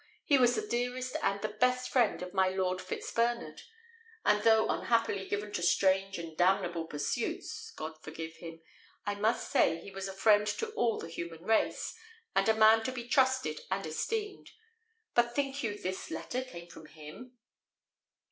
He was the dearest and the best friend of my Lord Fitzbernard; and though unhappily given to strange and damnable pursuits God forgive him! I must say he was a friend to all the human race, and a man to be trusted and esteemed. But think you this letter came from him?"